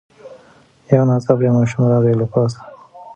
یو ناڅاپه یو ماشوم راغی له پاسه